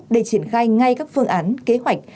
để triển khai ngay các phương án kế hoạch